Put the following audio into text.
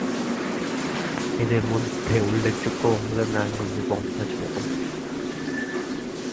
এদের মধ্যে উল্লেখযোগ্য হলেন নারায়ণগঞ্জের মমতাজ বেগম।